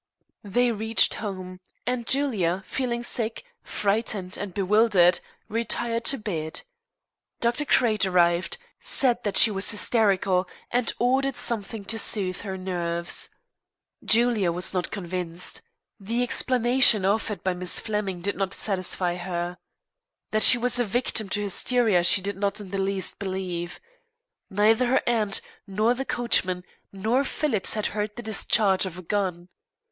They reached home, and Julia, feeling sick, frightened, and bewildered, retired to bed. Dr. Crate arrived, said that she was hysterical, and ordered something to soothe her nerves. Julia was not convinced. The explanation offered by Miss Flemming did not satisfy her. That she was a victim to hysteria she did not in the least believe. Neither her aunt, nor the coachman, nor Phillips had heard the discharge of a gun.